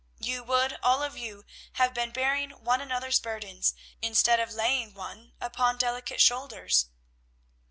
You would all of you have been bearing one another's burdens, instead of laying one upon delicate shoulders.